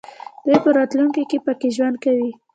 دوی په راتلونکي کې پکې ژوند کوي.